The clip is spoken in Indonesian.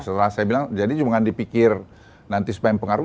setelah saya bilang jadi cuma dipikir nanti supaya pengaruh